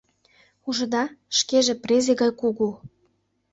Ужыда, шкеже презе гай кугу.